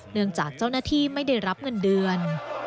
จากเจ้าหน้าที่ไม่ได้รับเงินเดือน